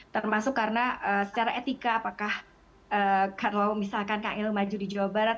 termasuk karena secara etika apakah kalau misalkan kl maju di jawa barat